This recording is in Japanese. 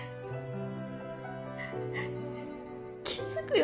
気付くよ